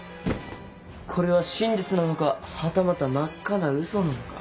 これは真実なのかはたまた真っ赤なうそなのか。